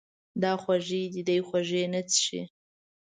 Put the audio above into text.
دا خوږې دي، دی خوږې نه څښي.